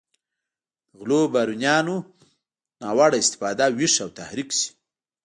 د غلو بارونیانو ناوړه استفاده ویښ او تحریک شي.